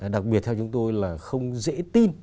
đặc biệt theo chúng tôi là không dễ tin